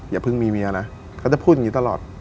อย่าเพิ่งมีเมียนะเขาจะพูดอย่างนี้ตลอด